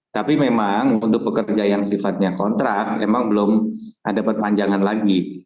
tapi memang untuk pekerja yang sifatnya kontrak memang belum ada perpanjangan lagi